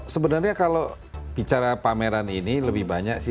sebenarnya kalau bicara pameran ini lebih banyak sih